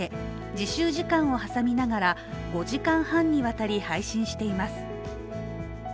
自習時間を挟みながら５時間半にわたり配信しています。